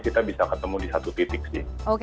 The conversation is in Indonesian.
kita bisa ketemu di satu titik sih